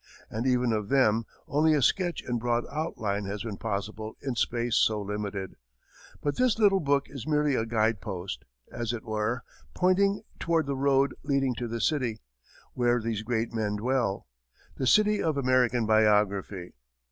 And even of them, only a sketch in broad outline has been possible in space so limited; but this little book is merely a guide post, as it were, pointing toward the road leading to the city where these great men dwell the City of American Biography.